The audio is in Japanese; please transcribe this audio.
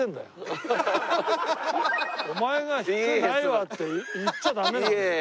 お前が「低くないわ」って言っちゃダメなんだよ。